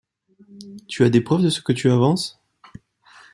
Tu as des preuves de ce que tu avances ?